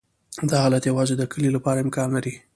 دا حالت یوازې د کلې لپاره امکان لري